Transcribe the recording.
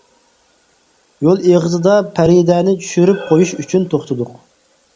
يول ئېغىزىدا پەرىدەنى چۈشۈرۈپ قۇيۇش ئۈچۈن توختىدۇق.